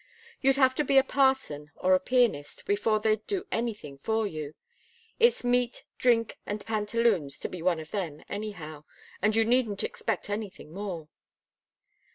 You'd have to be a parson or a pianist, before they'd do anything for you. It's 'meat, drink and pantaloons' to be one of them, anyhow and you needn't expect anything more."